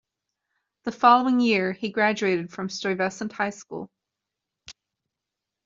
The following year he graduated from Stuyvesant High School.